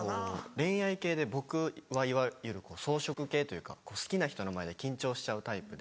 恋愛系で僕はいわゆる草食系というか好きな人の前で緊張しちゃうタイプで。